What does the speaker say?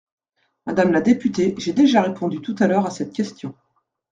Madame la députée, j’ai déjà répondu tout à l’heure à cette question.